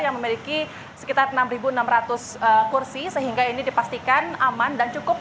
yang memiliki sekitar enam enam ratus kursi sehingga ini dipastikan aman dan cukup